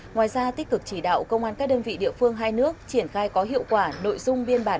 ngoài ra tích cực chỉ đạo công an các đơn vị địa phương hai nước triển khai có hiệu quả nội dung biên bản